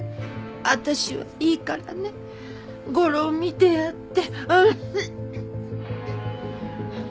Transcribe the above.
私はいいからね吾良を見てやって。